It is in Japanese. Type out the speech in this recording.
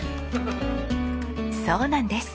そうなんです！